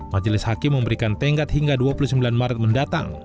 majelis hakim memberikan tenggat hingga dua puluh sembilan maret mendatang